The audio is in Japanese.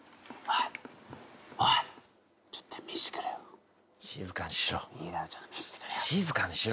いいからちょっと見せてくれよ。